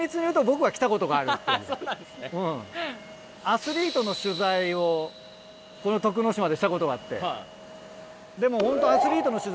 アスリートの取材をこの徳之島でしたことがあって。